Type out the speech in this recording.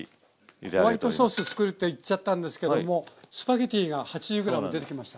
あら。ホワイトソース作るって言っちゃたんですけどもスパゲッティが８０ｇ出てきました。